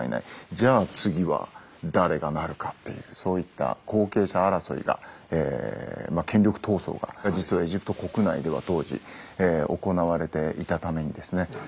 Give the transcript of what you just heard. じゃあ次は誰がなるかっていうそういった後継者争いが権力闘争が実はエジプト国内では当時行われていたためにですね